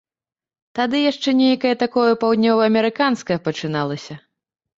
Тады яшчэ нейкае такое паўднёваамерыканскае пачыналася.